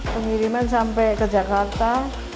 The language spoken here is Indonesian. pengiriman sampai ke jakarta